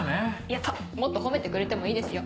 やったもっと褒めてくれてもいいですよ。